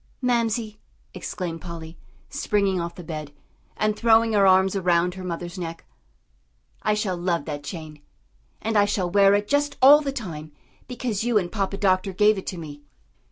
"Mamsie," exclaimed Polly, springing off the bed, and throwing her arms around her mother's neck, "I shall love that chain, and I shall wear it just all the time because you and Papa Doctor gave it to me."